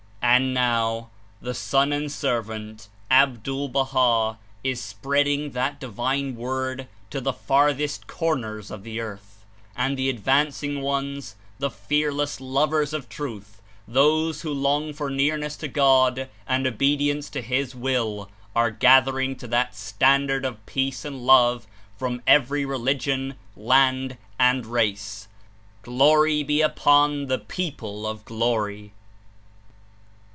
And now the Son and Servant, Abdul Baha, is spreading that divine Word to the farthest corners of the earth, and the advancing ones, the fearless lovers of Truth, those who long for nearness to God and obedience to his Will, are gathering to that Standard of Peace and Love from every religion, land and race. "Glory be upon the people of Glory